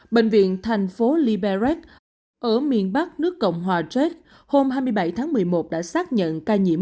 bệnh viện thành phố liberres ở miền bắc nước cộng hòa jek hôm hai mươi bảy tháng một mươi một đã xác nhận ca nhiễm